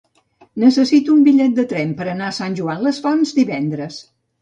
Necessito un bitllet de tren per anar a Sant Joan les Fonts divendres.